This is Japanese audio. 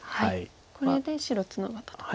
これで白ツナがったと。